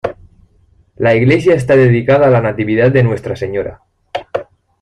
La iglesia está dedicada a la Natividad de Nuestra Señora.